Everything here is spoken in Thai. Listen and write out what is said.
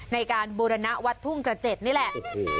ในการบูรณะวัดทุ่งกระเจ็ดนี่แหละ